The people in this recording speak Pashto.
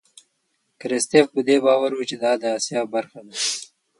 کرستیف په دې باور و چې دا د آسیا برخه ده.